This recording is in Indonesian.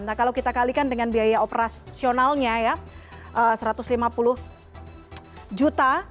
nah kalau kita kalikan dengan biaya operasionalnya ya satu ratus lima puluh juta